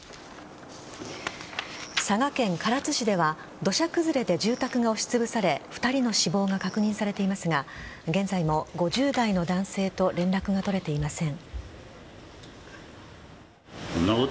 佐賀県唐津市では土砂崩れで住宅が押しつぶされ２人の死亡が確認されていますが現在も５０代の男性と連絡が取れていません。